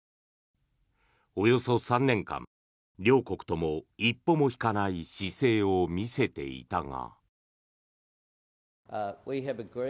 およそ３年間両国とも一歩も引かない姿勢を見せていたが。